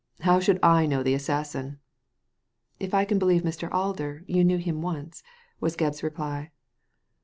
How should I know the assassin ?"•* If I can believe Mr. Alder, you knew him once,'* was Gebb's reply.